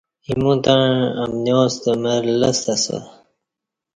ایمو تݩع امنِیاں ستہ مر لستہ اسہ